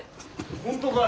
本当かい？